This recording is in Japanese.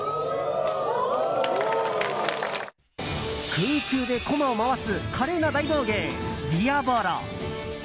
空中で、こまを回す華麗な大道芸、ディアボロ。